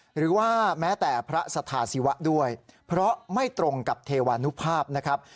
หรือว่าแม้แต่พระสถาศิวะด้วยเพราะไม่ตรงกับเทวานุภาพนะครับ